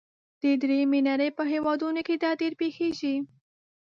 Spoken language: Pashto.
د دریمې نړۍ په هیوادونو کې دا ډیر پیښیږي.